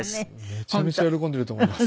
めちゃめちゃ喜んでると思います。